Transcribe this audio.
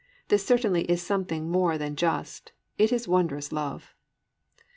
This certainly is something more than just, it is wondrous love.